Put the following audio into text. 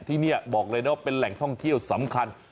ที่นี่บอกเลยนะว่าเป็นแหล่งท่องเที่ยวสำคัญ